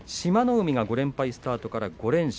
海が５連敗スタートから５連勝。